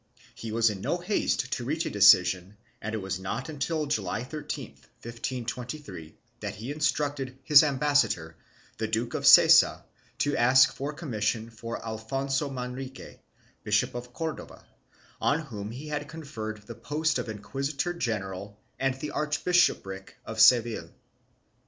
He was in no haste to reach a decision and it was not until July 13, 1523, that he instructed his am bassador, the Duke of Sessa, to ask the commission for Alfonso Manrique, Bishop of Cordova, on whom he had conferred the post of inquisitor general and the archbishopric of Seville.